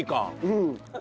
うん。